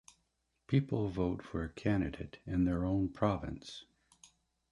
People vote for a candidate in their own province.